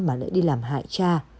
mà lại đi làm hại cha